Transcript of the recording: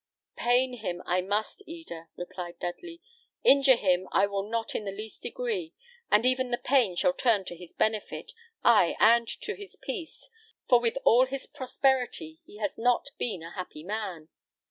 "Pain him, I must, Eda," replied Dudley; "injure him I will not in the least degree, and even the pain shall turn to his benefit, ay, and to his peace; for with all his prosperity he has not been a happy man.